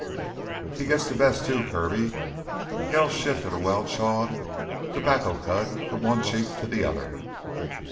"He gits th' best, too, Kirby." Kells shifted a well chewed tobacco cud from one cheek to the other.